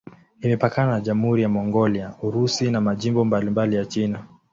Imepakana na Jamhuri ya Mongolia, Urusi na majimbo mbalimbali ya China.